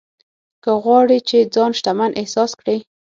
که غواړې چې ځان شتمن احساس کړې.